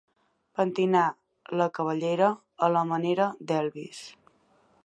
Pentinar la cabellera a la manera d'Elvis.